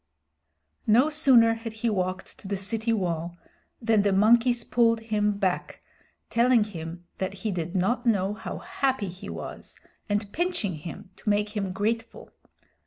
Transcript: No sooner had he walked to the city wall than the monkeys pulled him back, telling him that he did not know how happy he was, and pinching him to make him grateful.